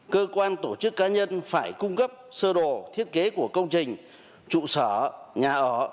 cơ quan tổ chức cá nhân phải cung cấp sơ đồ thiết kế của công trình trụ sở nhà ở